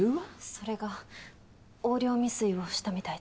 それが横領未遂をしたみたいで。